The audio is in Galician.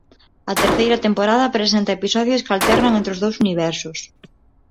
A terceira temporada presenta episodios que alternan entre os dous universos.